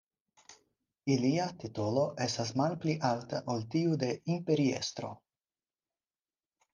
Ilia titolo estas malpli alta ol tiu de imperiestro.